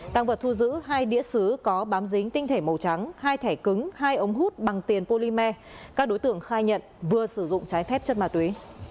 tăng vật thu giữ hai đĩa xứ có bám dính tinh thể màu trắng hai thẻ cứng hai ống hút bằng tiền polymer các đối tượng khai nhận vừa sử dụng trái phép chất ma túy